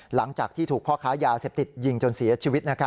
หลังจากที่ถูกพ่อค้ายาเสพติดยิงจนเสียชีวิต